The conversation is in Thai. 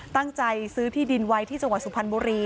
ตั้งใจซื้อที่ดินไว้ที่จังหวัดสุพรรณบุรี